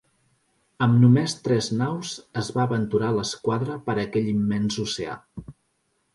Amb només tres naus es va aventurar l'esquadra per aquell immens oceà.